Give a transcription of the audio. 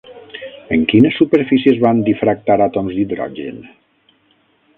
En quines superfícies van difractar àtoms d'hidrogen?